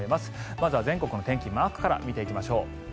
まずは全国の天気マークから見ていきましょう。